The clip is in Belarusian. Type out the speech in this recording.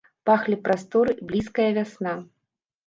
Пахлі прасторы, блізкая вясна.